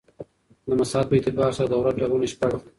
د مساحت په اعتبار سره د دولت ډولونه شپږ دي.